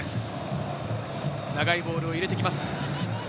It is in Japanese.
長いボールを入れてきます。